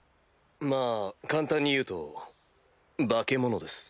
まぁ簡単に言うと化け物です。